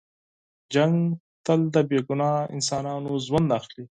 جنګ تل د بې ګناه انسانانو ژوند اخلي.